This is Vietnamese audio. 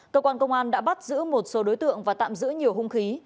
cơ quan công an đã bắt giữ một số đối tượng và tạm giữ nhiều hung khí